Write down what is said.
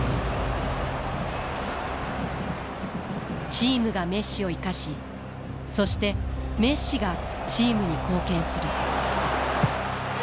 チームがメッシを生かしそしてメッシがチームに貢献する。